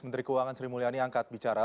menteri keuangan sri mulyani angkat bicara